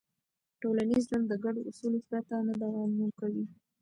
ټولنیز ژوند د ګډو اصولو پرته نه دوام کوي.